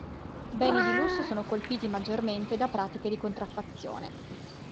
Beni di lusso sono colpiti maggiormente da pratiche di contraffazione.